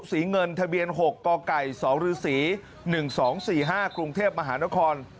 เงินทะเบียน๖กไก่๒ฤษี๑๒๔๕กรุงเทพมหานคร